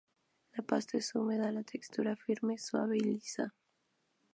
La pasta es húmeda, de textura firme, suave y lisa.